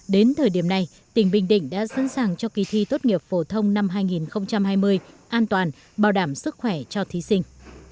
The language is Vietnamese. đến thời điểm này tỉnh bình định đã sẵn sàng cho kỳ thi tốt nghiệp phổ thông năm hai nghìn hai mươi an toàn bảo đảm sức khỏe cho thí sinh